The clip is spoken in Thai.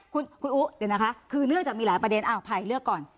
คุณอู๋เดี๋ยวนะคะคือเรื่องจะมีหลายประเด็นอ้าวไผ่เลือกก่อน